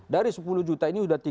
dari sepuluh juta ini sudah